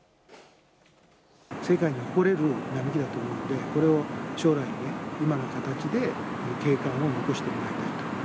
世界に誇れる並木だと思うので、これを将来にね、今の形で景観を残してもらいたいと。